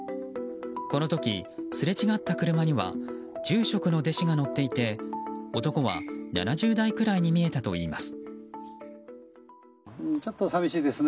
この時、すれ違った車には住職の弟子が乗っていて男は７０代くらいに見えたといいます。